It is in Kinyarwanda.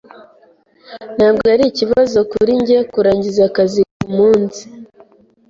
Ntabwo ari ikibazo kuri njye kurangiza akazi kumunsi.